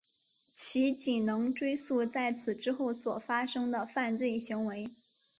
其仅能追诉在此之后所发生的犯罪行为。